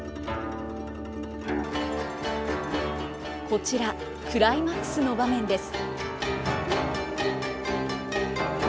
こちらクライマックスの場面です。